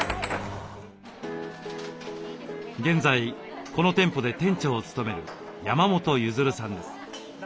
現在この店舗で店長を務める山本弦さんです。